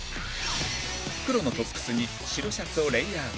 黒のトップスに白シャツをレイヤード